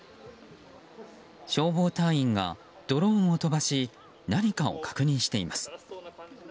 消防隊員がドローンを飛ばし何かを確認しています。